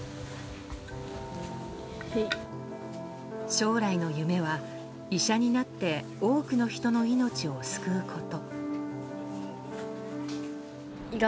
将来の夢は、医者になって多くの人の命を救うこと。